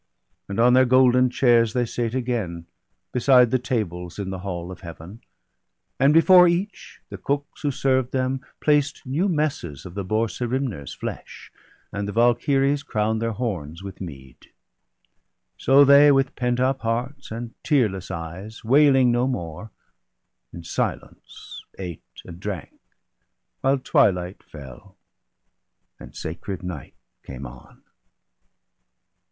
And on their golden chairs they sate again. Beside the tables, in the hall of Heaven ; BALDER DEAD. 139 And before each the cooks who served them placed New messes of the boar Serimner's flesh, And the Valkyries crown'd their horns with mead. So they, with pent up hearts and tearless eyes, Wailing no more, in silence ate and drank, While twilight fell, and sacred night came on.